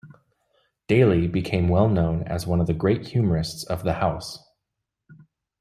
Daly became well known as one of the great humorists of the House.